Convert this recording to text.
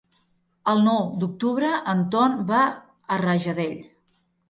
El nou d'octubre en Ton va a Rajadell.